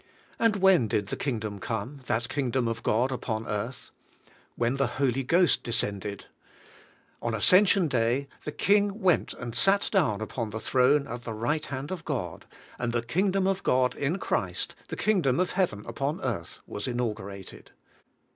And when did the Kingdom come — that King dom of God upon earth? When the Holy Ghost descended. On Ascension Day the King went and sat down upon the throne at the right hand of God, and the Kingdom of God, in Christ, the Kingdom of Heaven upon earth, was inaugurated.